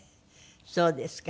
そうですか。